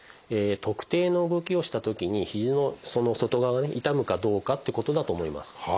特定の動きをしたときに肘の外側がね痛むかどうかってことだと思います。